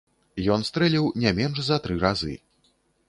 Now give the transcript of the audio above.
Ён стрэліў не менш за тры разы.